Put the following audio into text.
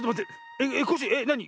えっコッシーなに？